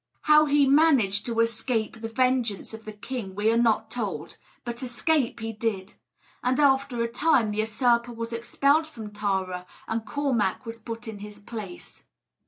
How he managed to escape the vengeance of the king we are not told; but escape he did; and after a time the usurper was expelled from Tara, and Cormac was put in his place.